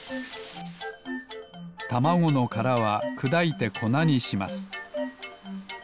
たまごのからはくだいてこなにします